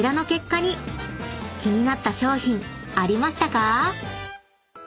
［気になった商品ありましたか？］